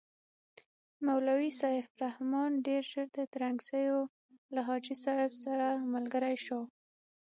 مولوي سیف الرحمن ډېر ژر د ترنګزیو له حاجي صاحب سره ملګری شو.